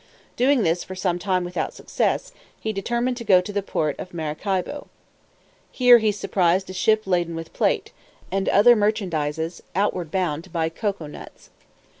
Doing thus, for some time, without success, he determined to go to the port of Maracaibo. Here he surprised a ship laden with plate, and other merchandises, outward bound, to buy cocoa nuts.